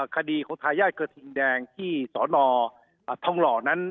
คดีของทายาทกระทิงแดงที่สนทองหล่อนั้น